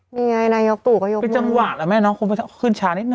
นี่ไงนายกตู่ก็ยกเป็นจังหวะแหละแม่น้องคงไปขึ้นช้านิดน